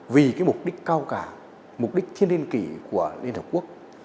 vì cái mục đích cao cả mục đích thiên liên kỷ của liên hợp quốc